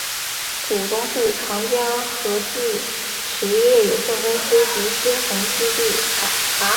股东是长江和记实业有限公司及新鸿基地产。